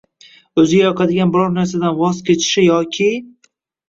O‘ziga yoqadigan biror narsadan voz kechishi yoki